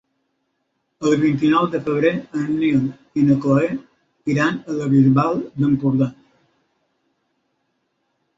El vint-i-nou de febrer en Nil i na Cloè iran a la Bisbal d'Empordà.